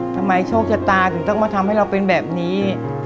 โชคชะตาถึงต้องมาทำให้เราเป็นแบบนี้